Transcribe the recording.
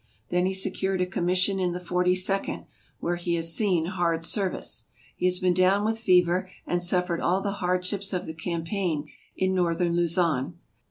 Then he secured a commission in the Forty second, where he has seen hard service. He has been down with fever and suffered all the hardships of the campaign in northern Luzon.